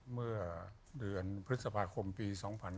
เมื่อเดือนพฤษภาคมปี๒๕๕๙